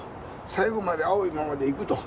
最後まで青いままでいくと。